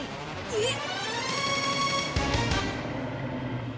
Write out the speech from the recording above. えっ？